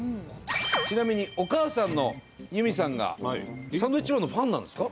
ちなみにお母さんの由美さんがサンドウィッチマンのファンなんですか？